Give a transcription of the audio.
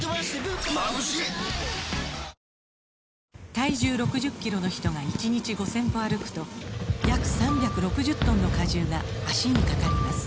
体重６０キロの人が１日５０００歩歩くと約３６０トンの荷重が脚にかかります